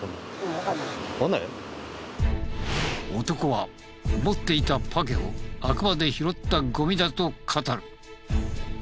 男は持っていたパケをあくまで拾ったゴミだと語る。